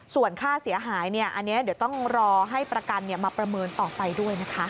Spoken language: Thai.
ส่วนค่าเสียหายอันนี้เดี๋ยวต้องรอให้ประกันมาประเมินต่อไปด้วยนะคะ